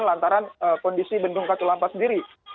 lantaran kondisi bentung katulampak sendiri